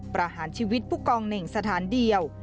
ประหารชีวิตผู้กองเหน่งสถานเดียว